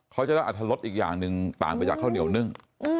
เขาจะได้อัตรรสอีกอย่างหนึ่งต่างไปจากข้าวเหนียวนึ่ง